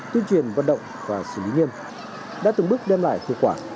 tuyên truyền vận động và xử lý nghiêm đã từng bước đem lại hiệu quả